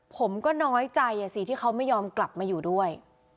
ผมก็น้อยใจสิที่เขาไม่ยอมกลับมาอยู่ด้วย